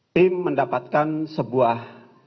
tim mendapatkan sebuah